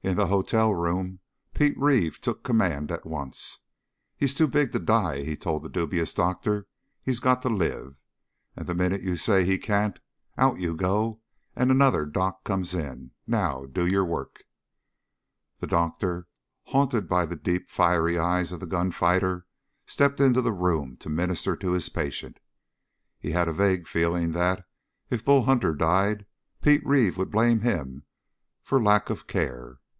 In the hotel room Pete Reeve took command at once. "He's too big to die," he told the dubious doctor. "He's got to live. And the minute you say he can't, out you go and another doc comes in. Now do your work." The doctor, haunted by the deep, fiery eyes of the gunfighter, stepped into the room to minister to his patient. He had a vague feeling that, if Bull Hunter died, Pete Reeve would blame him for lack of care.